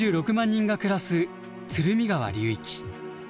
人が暮らす鶴見川流域。